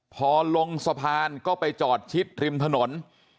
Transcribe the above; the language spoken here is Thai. พอลงสะพานก็ไปจอดชิดริมถนน